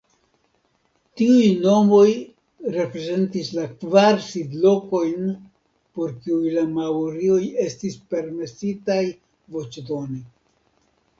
Tiuj nomoj reprezentis la kvar sidlokojn por kiuj la maorioj estis permesitaj voĉdoni.